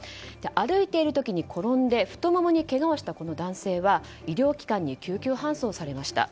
歩いている時に転んで太ももにけがをしたこの男性は医療機関に救急搬送されました。